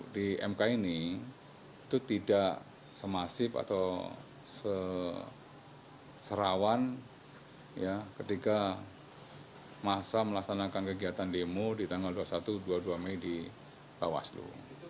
di mk ini itu tidak semasif atau serawan ketika masa melaksanakan kegiatan demo di tanggal dua puluh satu dua puluh dua mei di bawaslu